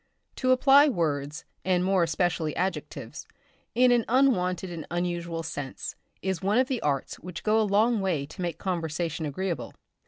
To apply words, and more especially adjectives, in an unwonted and unusual sense is one of the arts which go a long way to make conversation agreeable.